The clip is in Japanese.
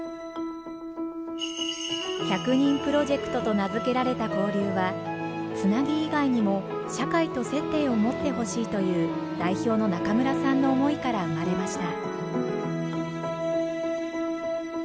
１００人プロジェクトと名付けられた交流はつなぎ以外にも社会と接点を持ってほしいという代表の中村さんの思いから生まれました。